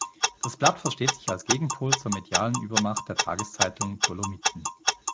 Das Blatt versteht sich als Gegenpol zur medialen Übermacht der Tageszeitung "Dolomiten".